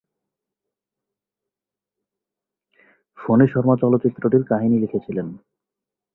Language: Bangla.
ফণী শর্মা চলচ্চিত্রটির কাহিনী লিখেছিলেন।